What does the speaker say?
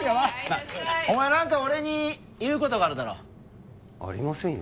お前何か俺に言うことがあるだろありませんよ